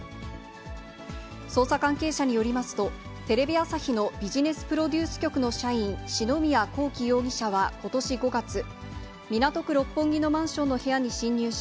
捜査関係者によりますと、テレビ朝日のビジネスプロデュース局の社員、篠宮康希容疑者はことし５月、港区六本木のマンションの部屋に侵入し、